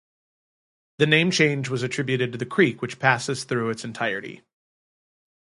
The name change was attributed to the creek which passes through its entirety.